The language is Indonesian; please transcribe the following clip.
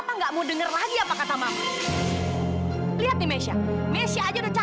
menolong membantu saya